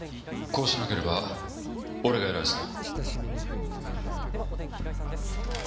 こうしなければ俺がやられてた。